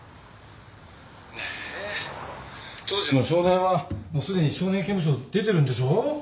ねえ当時の少年はもうすでに少年刑務所を出てるんでしょ？